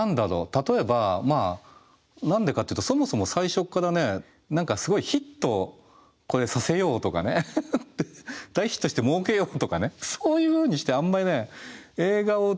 例えば何でかって言うとそもそも最初っからね何かすごいヒットこれさせようとかね大ヒットしてもうけようとかねそういうふうにしてあんまり映画を作ってないんですよね。